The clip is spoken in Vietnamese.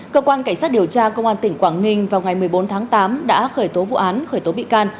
cơ quan cảnh sát điều tra công an tỉnh quảng ninh vào ngày một mươi bốn tháng tám đã khởi tố vụ án khởi tố bị can